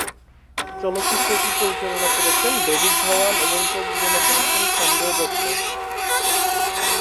চলচ্চিত্রটি পরিচালনা করেছেন ডেভিড ধাওয়ান এবং প্রযোজনা করেছেন সঞ্জয় দত্ত।